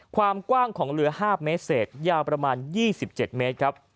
ความกว้างของเรือ๕เมตรเศษยาวประมาณ๒๗เมตรครับ